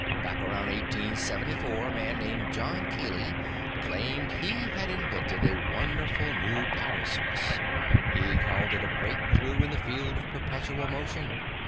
Back around 1874, a man named John Keely claimed he had invented a wonderful new power source. He called it a breakthrough in the field of perpetual motion.